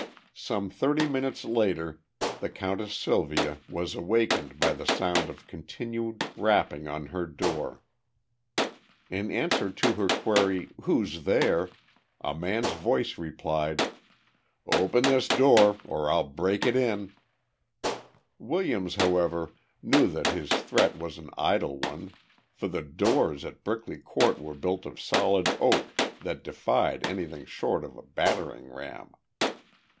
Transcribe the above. Some thirty minutes later the Countess Sylvia was awakened by the sound of continued rapping on her door. In answer to her query, "Who's there?" a man's voice replied, "Open this door, or I'll break it in!" Williams, however, knew that his threat was an idle one, for the doors at Brickley Court were built of solid oak that defied anything short of a battering ram.